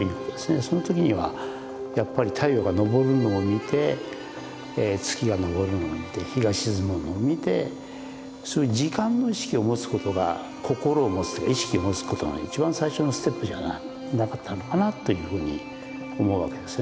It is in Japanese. その時にはやっぱり太陽が昇るのを見て月が昇るのを見て日が沈むのを見てそういう時間の意識を持つことが心を持つというか意識を持つことの一番最初のステップじゃなかったのかなというふうに思うわけですよね。